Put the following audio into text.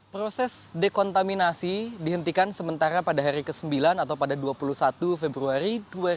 proses dekontaminasi dihentikan sementara pada hari ke sembilan atau pada dua puluh satu februari dua ribu dua puluh